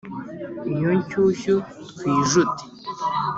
iyo nshyushyu twijute